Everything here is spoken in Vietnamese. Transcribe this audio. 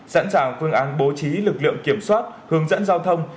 sẵn sàng phương án bố trí lực lượng kiểm soát hướng dẫn giao thông